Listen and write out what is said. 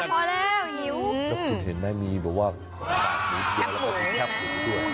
แล้วคุณเห็นแม่มีแบบว่าแคบหูแคบหูด้วย